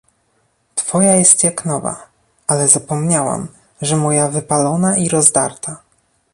"Twoja jest jak nowa; ale zapomniałam, że moja wypalona i rozdarta!"